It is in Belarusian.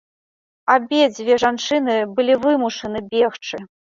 Абедзве жанчыны былі вымушаны бегчы.